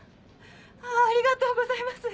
ありがとうございます。